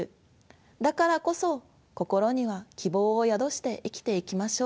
だからこそ心には希望を宿して生きていきましょう。